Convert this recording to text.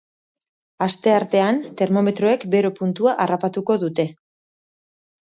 Asteartean termometroek bero puntua harrapatuko dute.